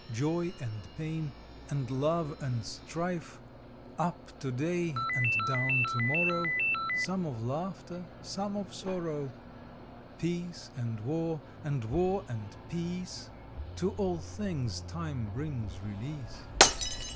Joy and pain and love and strife. Up to day and down to morrow Some of laughter, some of sorrow; Peace and war and war and peace To all things Time brings release.